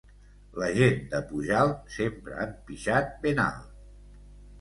La gent de Pujalt sempre han pixat ben alt.